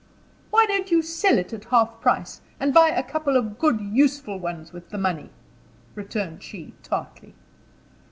"Why don't you sell it at half price, and buy a couple of good useful ones with the money?" returned she, tartly.